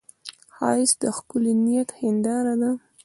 ښایست د ښکلي نیت هنداره ده